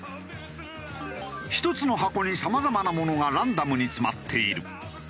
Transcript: １つの箱にさまざまなものがランダムに詰まっている。